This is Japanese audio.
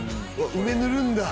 梅ぬるんだ